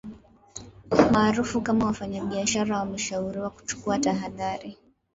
maarufu kama wafanyabiashara wameshauriwa kuchukua tahadhari